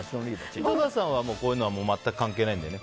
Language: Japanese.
井戸田さんはこういうのは全く関係ないもんね。